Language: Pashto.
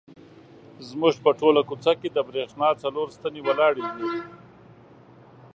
زموږ په ټوله کوڅه کې د برېښنا څلور ستنې ولاړې دي.